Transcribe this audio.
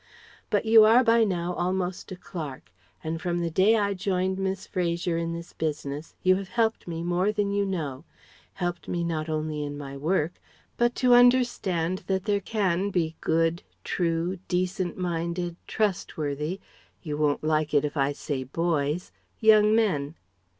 But you are by now almost a clerk, and from the day I joined Miss Fraser in this business, you have helped me more than you know helped me not only in my work, but to understand that there can be good, true, decent minded, trustworthy ... you won't like it if I say "boys" ... young men.